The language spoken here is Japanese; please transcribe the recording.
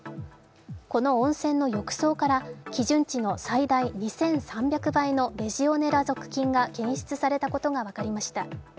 この温泉の浴槽から基準値の最大２３００倍のレジオネラ属菌が検出されたことが分かりました。